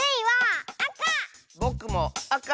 ぼくもあか！